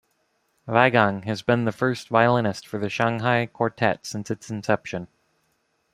Weigang has been the first violinist for the Shanghai Quartet since its inception.